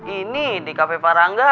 ini di cafe pak rangga